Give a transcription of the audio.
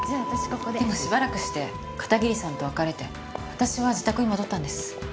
でもしばらくして片桐さんと別れて私は自宅に戻ったんです。